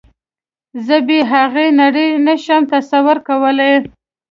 زه بې هغې نړۍ نشم تصور کولی